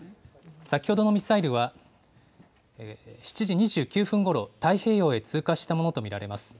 先ほどのミサイルは、７時２９分ごろ、太平洋へ通過したものと見られます。